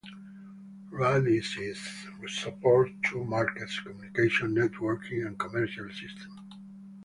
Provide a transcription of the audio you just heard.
Radisys supports two markets: communications networking and commercial systems.